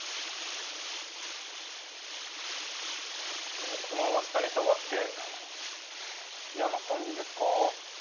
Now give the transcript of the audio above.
これも駒が下に下がって嫌な感じですか。